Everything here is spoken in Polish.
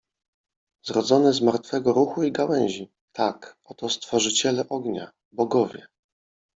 zrodzone z martwego ruchu i gałęzi. Tak, oto stworzyciele ognia - bogowie!